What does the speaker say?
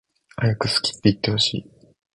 はやく好きっていってほしい